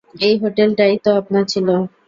এই হোটেলটাই তো আপনার ছিল।